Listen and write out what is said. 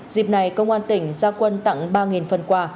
dịp này công an tỉnh gia quân tặng ba phần quà